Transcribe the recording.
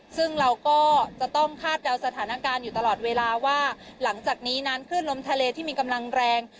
ซึ่งเราก็จะต้องคาดเดาสถานการณ์อยู่ตลอดเวลาว่าหลังจากนี้นั้นคลื่นลมทะเลที่มีกำลังแรง